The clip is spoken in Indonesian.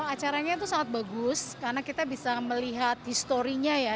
acaranya itu sangat bagus karena kita bisa melihat historinya ya